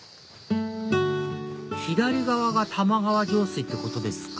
左側が玉川上水ってことですか？